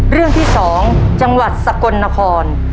เรื่องที่๒จังหวัดสกลนคร